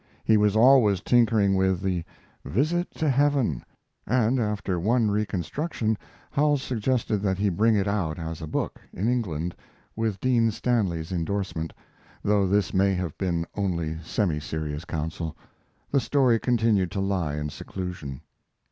He was always tinkering with the "Visit to Heaven," and after one reconstruction Howells suggested that he bring it out as a book, in England, with Dean Stanley's indorsement, though this may have been only semi serious counsel. The story continued to lie in seclusion.